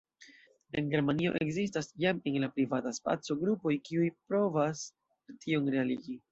En Germanio ekzistas jam en la privata spaco grupoj, kiuj provas tion realigi.